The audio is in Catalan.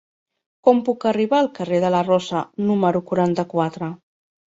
Com puc arribar al carrer de la Rosa número quaranta-quatre?